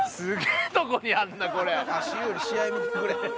「足湯より試合見せてくれ」